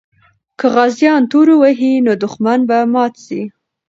که غازیان تورو وهي، نو دښمن به مات سي.